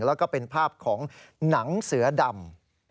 แล้วก็เป็นภาพของหนังเสือดำ